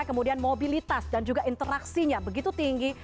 kemudian mobilitas dan juga interaksinya begitu tinggi